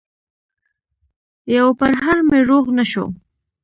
يو پرهر مې روغ نه شو